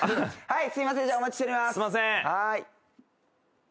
はい。